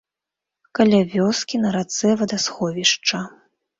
Каля вёскі на рацэ вадасховішча.